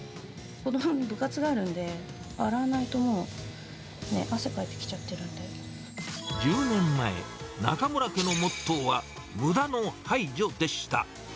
子どもの部活があるので、洗わないともう、１０年前、中邑家のモットーは、むだの排除でした。